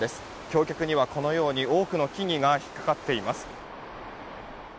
橋脚にはこのように多くの木々が引っかかっています。